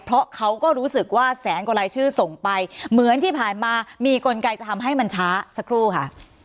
เพราะเขาก็รู้สึกว่าแสนกว่ารายชื่อส่งไปเหมือนที่ผ่านมามีกลไกจะทำให้มันช้าสักครู่ค่ะ